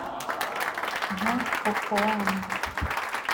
nka cocoam